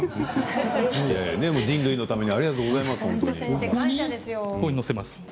人類のためにありがとうございます。